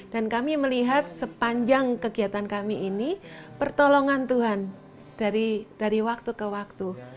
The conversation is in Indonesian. dan kami melihat sepanjang kegiatan kami ini pertolongan tuhan dari waktu ke waktu